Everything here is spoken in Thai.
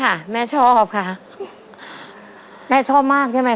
ป้าหมายกับป้าป้าป้านอนเห็นมีคนละตะก้าค่ะ